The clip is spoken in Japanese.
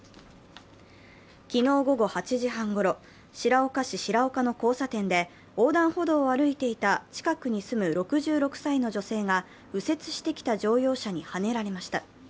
昨日午後８時半ごろ、白岡市白岡の交差点で横断歩道を歩いていた近くに住む６６歳の女性が右折してきた乗用車にはねられました。